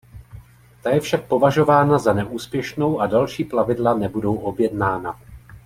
Ta je však považována za neúspěšnou a další plavidla nebudou objednána.